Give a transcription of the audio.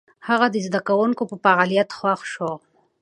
هغه د زده کوونکو په فعاليت خوښ شو.